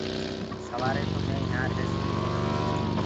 سوآري تو مي يهآنٚ ريهسوئيٚ ڪونآ